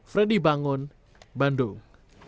freddy bangun bandung